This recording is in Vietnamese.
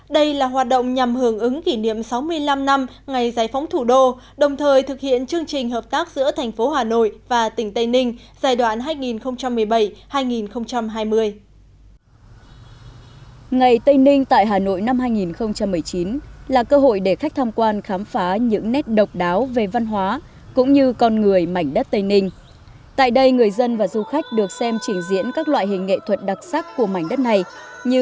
đây là hoạt động nhằm hưởng ứng kỷ niệm sáu mươi năm năm ngày giải phóng thủ đô đồng thời thực hiện chương trình hợp tác giữa thành phố hà nội và tỉnh tây ninh giai đoạn hai nghìn một mươi bảy hai nghìn hai mươi